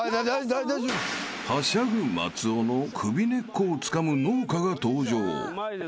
［はしゃぐ松尾の首根っこをつかむ農家が登場］